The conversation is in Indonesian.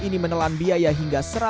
ini menelan biaya hingga